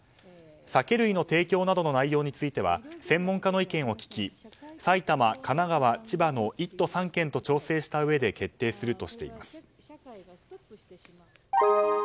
酒類の提供などの内容については専門家の意見を聞き埼玉、神奈川、千葉の１都３県と調整したうえで決定するとしています。